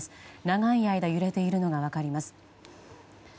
長い間揺れているのが分かります。